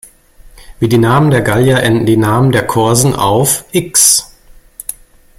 Wie die Namen der Gallier enden die Namen der Korsen auf -ix.